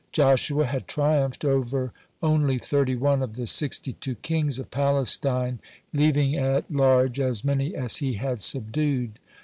Joshua had triumphed over only thirty one of the sixty two kings of Palestine, leaving at large as many as he had subdued.